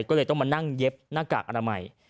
ก็เลยต้องมานั่งเย็บหน้ากากอนามัย